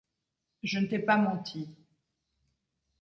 Je ne t’ai pas menti.